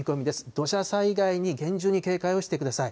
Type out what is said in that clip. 土砂災害に厳重に警戒をしてください。